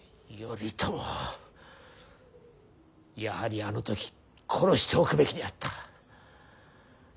やはりあの時殺しておくべきであった。